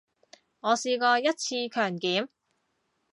我試過一次強檢